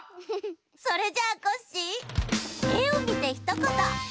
それじゃあコッシーえをみてひとこと！